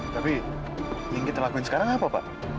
tapi yang kita lakuin sekarang apa pak